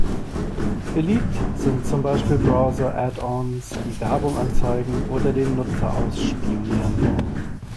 Beliebt sind zum Beispiel Browser-Addons, die Werbung anzeigen oder den Nutzer ausspionieren.